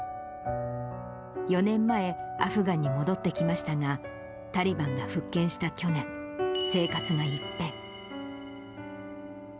４年前、アフガンに戻ってきましたが、タリバンが復権した去年、生活が一変。